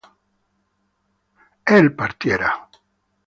él partiera